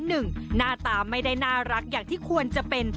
หน้าตาไม่ได้น่ารักอย่างที่ควรจะเป็น